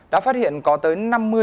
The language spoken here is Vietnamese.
đã phát hiện có tới năm mươi